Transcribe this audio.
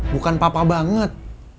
bukan papa banget